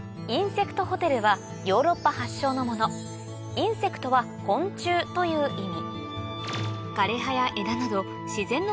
インセクトは昆虫という意味